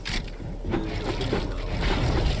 melgumauq